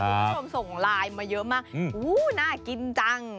คุณผู้ชมส่งไลน์มาเยอะมากน่ากินจัง